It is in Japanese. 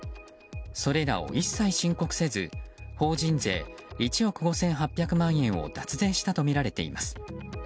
それらを一切申告せず法人税１億５８００万円を脱税したとみられています。